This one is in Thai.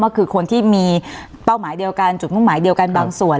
ก็คือคนที่มีเป้าหมายเดียวกันจุดมุ่งหมายเดียวกันบางส่วน